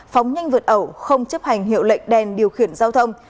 phóng nhanh vượt ẩu không chấp hành hiệu lệnh đèn điều khiển giao thông